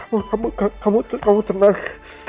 udah kamu kamu kamu tenang